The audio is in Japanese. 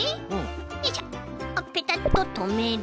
よいしょペタッととめる。